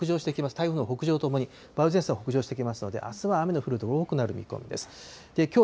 台風の北上とともに梅雨前線が北上してきますので、あすは雨の降る所、多くなる見込みです。